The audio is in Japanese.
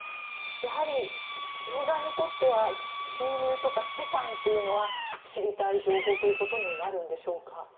やはり教団にとっては収入とか資産というのは知りたい情報になるんでしょうか。